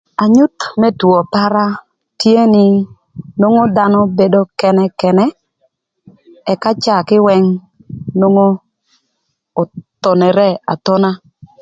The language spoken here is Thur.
Anyuth më two para tye nï, nwongo dhanö bedo kënëkënë, ëka caa kïwëng nwongo othonere athona.